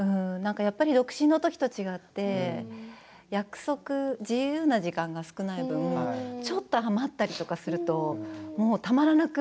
やっぱり独身のときと違って約束、自由な時間が少ない分ちょっと余ったりするとたまらなく